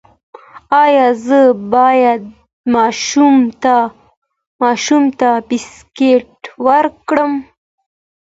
ایا زه باید ماشوم ته بسکټ ورکړم؟